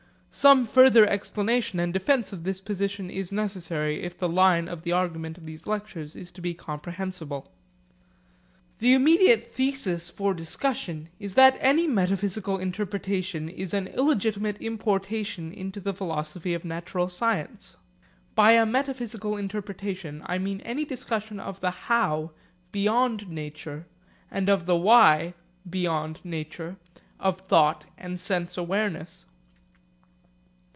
Some further explanation and defence of this position is necessary, if the line of argument of these lectures is to be comprehensible. The immediate thesis for discussion is that any metaphysical interpretation is an illegitimate importation into the philosophy of natural science. By a metaphysical interpretation I mean any discussion of the how (beyond nature) and of the why (beyond nature) of thought and sense awareness.